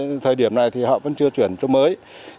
nhưng đến tận thời điểm này thì họ vẫn chưa chuyển chỗ mới